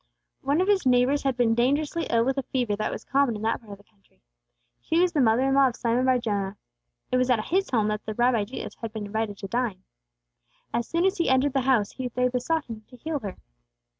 One of his neighbors had been dangerously ill with a fever that was common in that part of the country; she was the mother in law of Simon bar Jonah. It was at his home that the Rabbi Jesus had been invited to dine. As soon as He entered the house, they besought Him to heal her.